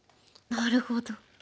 なるほど。